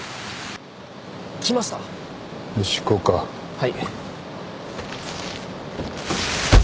はい。